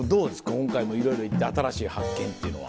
今回もいろいろ行って新しい発見っていうのは。